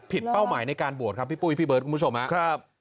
เป้าหมายในการบวชครับพี่ปุ้ยพี่เบิร์ดคุณผู้ชมครับ